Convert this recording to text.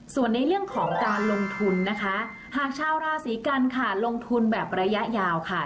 ส่วนในเรื่องของการลงทุนนะคะหากชาวราศีกันค่ะลงทุนแบบระยะยาวค่ะ